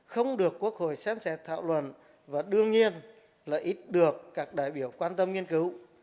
không được quốc hội xem xét thảo luận và đương nhiên là ít được các đại biểu quan tâm nghiên cứu